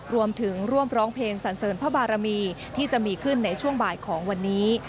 รวมถึงร่วมร้องเพลงสันเสริญพระบารมีที่จะมีขึ้นในช่วงบ่ายของวันนี้